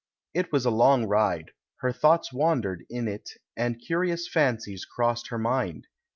It was a long ride; her thoughts wandered in it, and curious fancies crossed her mind.